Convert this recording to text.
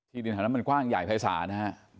ที่ดินทางนั้นมันกว้างใหญ่ภายศาสตร์นะฮะ